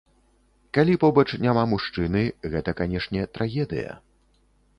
Калі побач няма мужчыны, гэта, канешне, трагедыя.